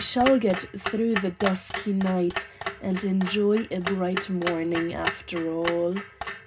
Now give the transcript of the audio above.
25 shall get through the dusky Night, and enjoy a bright morning after all.